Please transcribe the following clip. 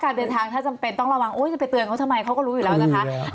เดินทางถ้าจำเป็นต้องระวังโอ้ยจะไปเตือนเขาทำไมเขาก็รู้อยู่แล้วนะคะ